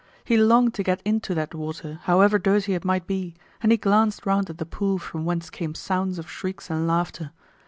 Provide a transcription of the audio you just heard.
He longed to get into that water, however dirty it might be, and he glanced round at the pool from whence came sounds of shrieks and laughter.